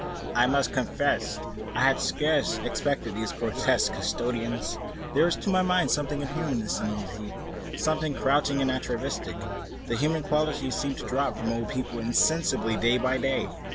I must confess I had scarcely expected these grotesque custodians. There is, to my mind, something inhuman in senility, something crouching and atavistic; the human qualities seem to drop from old people insensibly day by day.